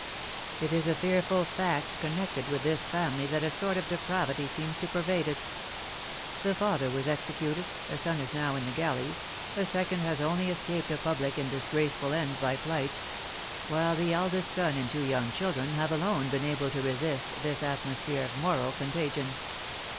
"It is a fearful fact connected with this family that a sort of depravity seems to pervade it. The father was executed, a son is now in the galleys, a second has only escaped a public and disgraceful end by flight; while the eldest son and two young children have alone been able to resist this atmosphere of moral contagion.